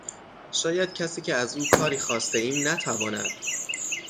شاید کسی که از او کاری خواسته ایم نتواند